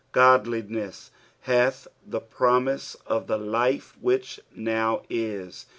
Godliness hath the promise of the life which now is.